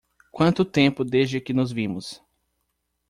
Quanto tempo desde que nos vimos?